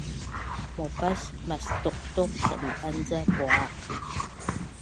Maupas mastuqtuq sadu’an ca puaq